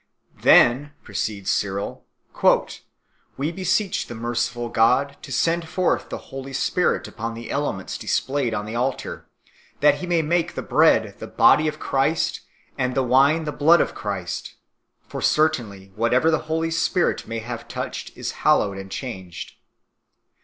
"Then," proceeds Cyril, " we beseech the merciful God to send forth the Holy Spirit upon the elements displayed on the altar, that He may make the bread the Body of Christ and the wine the Blood of Christ ; for certainly whatever the Holy Spirit may have touched is hallowed and changed.